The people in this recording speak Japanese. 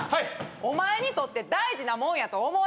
お前にとって大事なもんやと思え。